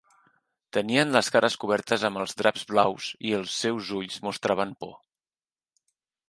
Tenien les cares cobertes amb els draps blaus, i els seus ulls mostraven por.